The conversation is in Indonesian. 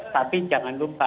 tapi jangan lupa